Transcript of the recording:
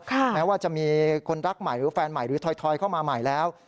แม้ว่าจะมีคนรักใหม่หรือแฟนใหม่หรือถอยเข้ามาใหม่แล้ว